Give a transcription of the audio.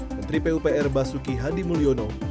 menteri pupr basuki hadi mulyono